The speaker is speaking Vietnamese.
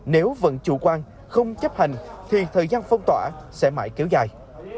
nếu vẫn chủ quan không chấp hành thì thời gian phong tỏa sẽ mãi kéo dài